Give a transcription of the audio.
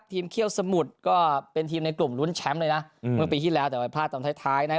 เคี่ยวสมุทรก็เป็นทีมในกลุ่มลุ้นแชมป์เลยนะเมื่อปีที่แล้วแต่ไปพลาดตอนท้ายท้ายนะ